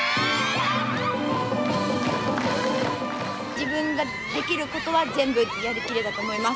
自分ができることは全部やりきれたと思います。